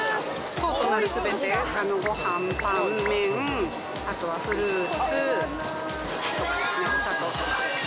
糖となるすべて、ごはん、パン、麺、あとはフルーツ、砂糖とか。